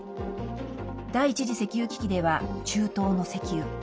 第１次石油危機では中東の石油。